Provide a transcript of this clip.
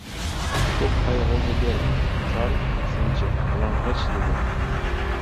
— Ko‘p qayg‘ura bermang, chol sinchi, bilong‘ich, — dedi.